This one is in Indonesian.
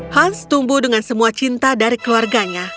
hans tumbuh dengan semua cinta dari keluarganya